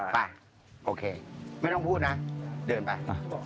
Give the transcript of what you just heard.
ไปโอเคไม่ต้องพูดนะเดินไป